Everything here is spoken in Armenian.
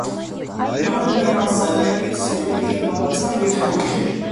Մի օր միաբաններից երեքը հիվանդացան և մեռան։